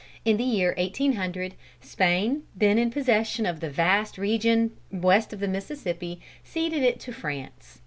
In the year 1800, Spain, then in possession of the vast region west of the Mississippi, ceded it to France.